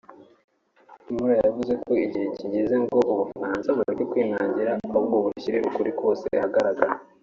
Hamuli yavuze ko igihe kigeze ngo u Bufaransa bureke kwinangira ahubwo bushyire ukuri kose ahagaragara